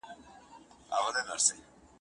عاشقان د عشق له بابه باهر نه يو